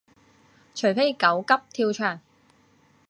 除非狗急跳墻